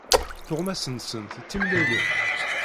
Tuɣmas-nsent d timellalin.